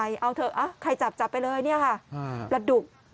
ก็อีกจะเอาเถอะใครจับจับไปเลยพระดุ